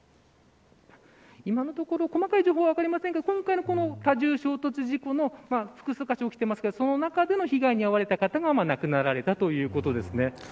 今のところ細かい情報は分かりませんが今回の多重衝突事故の複数箇所起きてますがその中で、被害に遭われた方が亡くなられたということです。